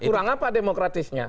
kurang apa demokratisnya